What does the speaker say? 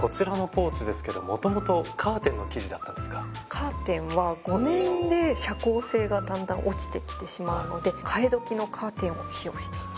カーテンは５年で遮光性がだんだん落ちてきてしまうので替え時のカーテンを使用しています。